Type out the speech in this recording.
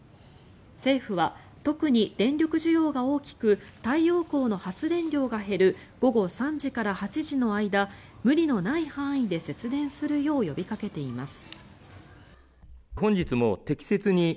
政府は特に電力需要が大きく太陽光の発電量が減る午後３時から８時の間無理のない範囲で節電するよう呼びかけています。